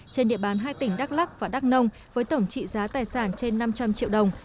trên địa bàn hai tỉnh đắk lắc và đắk nông với tổng trị giá tài sản trên năm trăm linh triệu đồng